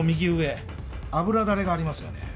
油垂れがありますよね。